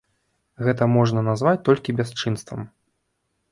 Гэта можна назваць толькі бясчынствам.